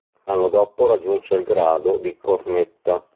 L'anno dopo raggiunse il grado di cornetta.